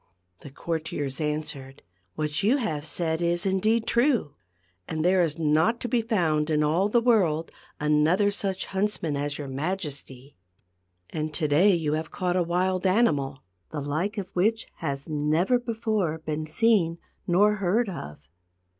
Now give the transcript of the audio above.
" The courtiers answered :" What you have said is, indeed, true ; and there is not to be found in all the world another such huntsman as your Majesty. And to day THE GLASS MOUNTAIN. 257 yon have caught a wild animal, the like of which has never before been seen nor heard of."